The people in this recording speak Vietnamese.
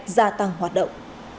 gia tăng hoạt động